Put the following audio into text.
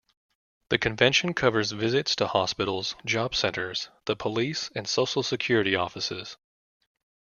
The Convention covers visits to hospitals, job centres, the police and social security offices.